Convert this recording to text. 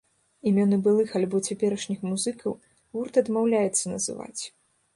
Імёны былых альбо цяперашніх музыкаў гурт адмаўляецца называць.